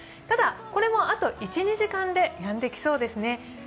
ただ、これもあと１２時間でやんできそうですね。